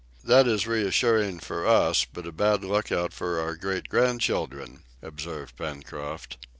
"That is reassuring for us, but a bad look out for our great grandchildren!" observed Pencroft.